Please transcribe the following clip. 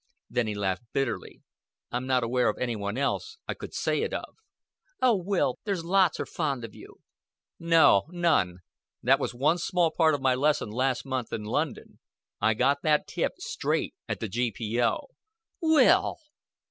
Then he laughed bitterly. "I'm not aware of any one else I could say it of." "Oh, Will there's lots are fond of you." "No none. That was one small part of my lesson last month in London. I got that tip, straight, at the G.P.O." "Will!"